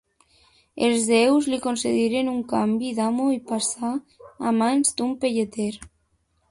Els déus li concediren un canvi d'amo i passà a mans d'un pelleter.